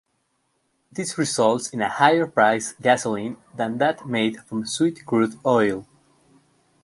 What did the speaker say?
This results in a higher-priced gasoline than that made from sweet crude oil.